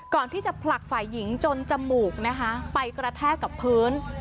ก่อนที่จะผลักฝ่ายหญิงจนจมูกไปกระแทกกับพื้น